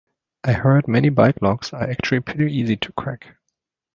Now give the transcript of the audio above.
I heard many bike locks are actually pretty easy to crack.